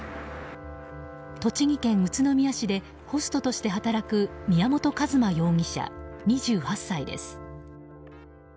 栃木県宇都宮市でホストとして働く宮本一馬容疑者、２８歳です。